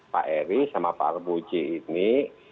pak eri sama pak arboji ini